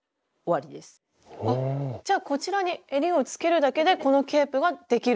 じゃあこちらにえりをつけるだけでこのケープができる？